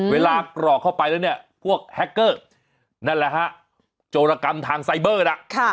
กรอกเข้าไปแล้วเนี่ยพวกแฮคเกอร์นั่นแหละฮะโจรกรรมทางไซเบอร์นะ